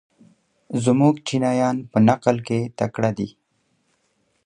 زموږ چینایان په نقل کې تکړه دي.